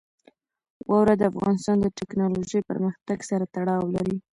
واوره د افغانستان د تکنالوژۍ پرمختګ سره تړاو لري.